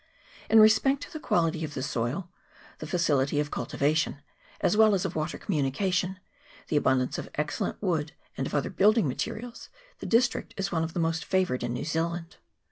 In respect to the quality of the soil, the facility of cultivation, as well as of water communication, the abundance of excellent wood and of other building materials, the district is one of the most favoured in New Zealand.